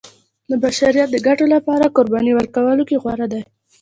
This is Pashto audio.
د بشریت د ګټو لپاره قربانۍ ورکولو کې غوره دی.